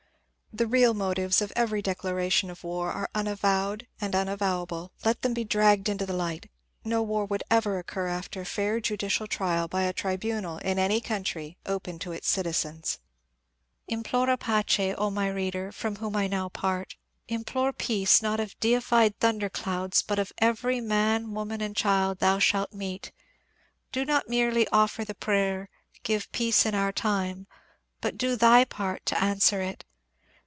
The real motives of every declaration of war are unavowed and unavowable : let them be dragged into the light ! No war 464 MONCURE DANIEL CONWAY ironld ever occur after a fair judicial trial by a tribunal in any country open to its citizens. Implora pace^ O my reader, from whom I now part. Im plore peace not of deified thunderclouds but of every man, woman, child thou shalt meet Do not merely offer the prayer, " Give peace in our time," but do thy part to answer it